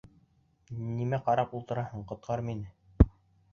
— Нимә ҡарап ултыраһың, ҡотҡар мине!